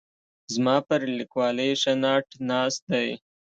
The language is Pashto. زما پر لیکوالۍ ښه ناټ ناست دی.